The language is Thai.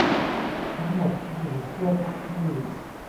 ทั้งหมดอยู่ทั่วทุกที่